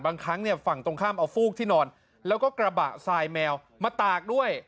ครั้งเนี่ยฝั่งตรงข้ามเอาฟูกที่นอนแล้วก็กระบะทรายแมวมาตากด้วย